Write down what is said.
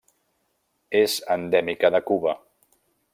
És endèmica de Cuba.